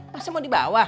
masih mau di bawah